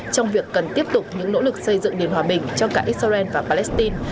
trong việc cần tiếp tục những nỗ lực xây dựng nền hòa bình cho cả israel và palestine